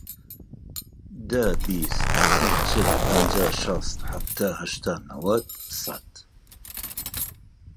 دە، بیست، سی، چل، پەنجا، شەست، حەفتا، هەشتا، نەوەت، سەد.